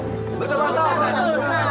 betul pak ustadz